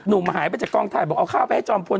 ุ่มหายไปจากกองถ่ายบอกเอาข้าวไปให้จอมพล